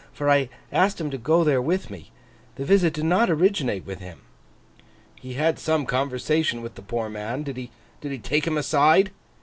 For I asked him to go there with me. The visit did not originate with him.' 'He had some conversation with the poor man. Did he take him aside?